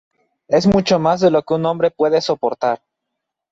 Es mucho más de lo que un hombre puede soportar.